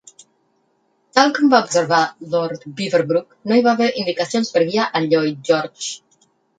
Tal com va observar Lord Beaverbrook, no hi va haver indicacions per guiar a Lloyd George.